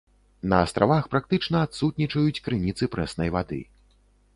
На астравах практычна адсутнічаюць крыніцы прэснай вады.